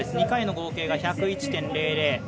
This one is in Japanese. ２回の合計が１０１．００１３位。